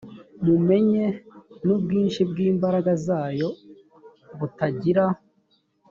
mumenye n ubwinshi bw imbaraga zayo butagira